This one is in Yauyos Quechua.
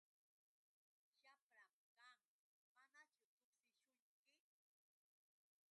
Shapran kan. ¿Manachu tuksishunki?